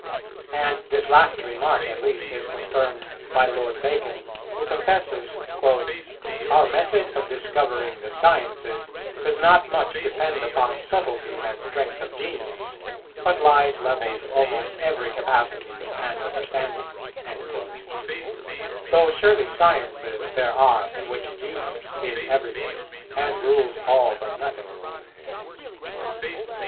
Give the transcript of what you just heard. And this last remark at least is confirmed by Lord Bacon, who confesses "Our method of discovering the sciences does not much depend upon subtlety and strength of genius, but lies level to almost every capacity and understanding;"[113:1] though surely sciences there are, in which genius is everything, and rules all but nothing.